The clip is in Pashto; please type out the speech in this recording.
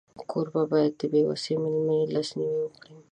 کوربه باید د بېوسه مېلمه لاسنیوی وکړي.